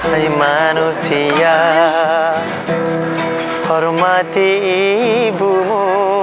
hai manusia hormati ibumu